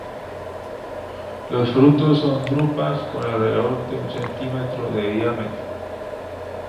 Los frutos son drupas con alrededor de un centímetro de diámetro.